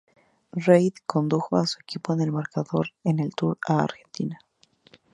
Reid condujo a su equipo en el marcador en el Tour a Argentina.